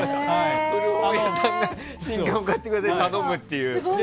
古本屋さんが新刊を買ってくださいって頼むっていう。